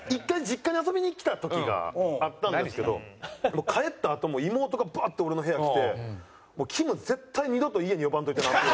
１回実家に遊びに来た時があったんですけど帰ったあともう妹がバッと俺の部屋来て「きむ絶対二度と家に呼ばんといてな」